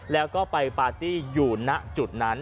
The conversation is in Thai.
แล้วก็ไปปาร์ตี้อยู่ณจุดนั้น